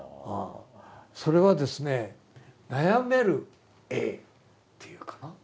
それはですね悩めるＡっていうかな。